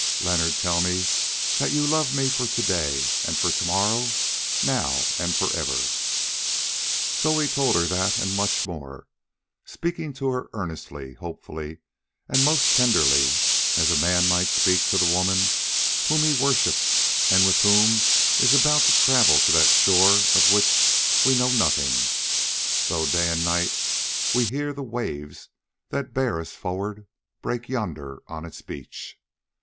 Leonard, tell me that you love me for to day and for to morrow, now and for ever." So he told her that and much more, speaking to her earnestly, hopefully, and most tenderly, as a man might speak to the woman whom he worshipped and with whom he is about to travel to that shore of which we know nothing, though day and night we hear the waves that bear us forward break yonder on its beach.